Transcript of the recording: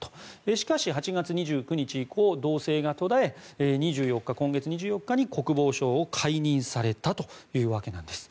しかし、８月２９日以降動静が途絶え今月２４日に国防相を解任されたというわけなんです。